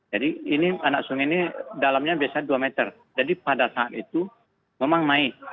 jadi ini anak sungai ini dalamnya biasanya dua meter jadi pada saat itu memang naik